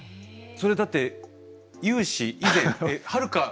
それだって有史以前はるか。